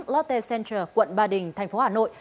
lotte center quận ba đình thành phố hà nội